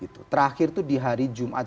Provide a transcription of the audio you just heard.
terakhir itu di hari jumat